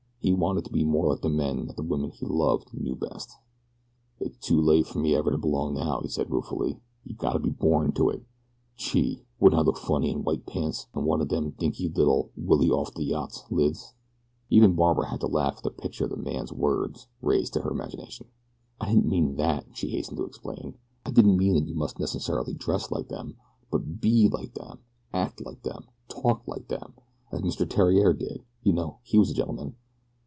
He wanted to be more like the men that the woman he loved knew best. "It's too late fer me ever to belong, now," he said ruefully. "Yeh gotta be borned to it. Gee! Wouldn't I look funny in wite pants, an' one o' dem dinky, little 'Willie off de yacht' lids?" Even Barbara had to laugh at the picture the man's words raised to her imagination. "I didn't mean that," she hastened to explain. "I didn't mean that you must necessarily dress like them; but BE like them act like them talk like them, as Mr. Theriere did, you know. He was a gentleman."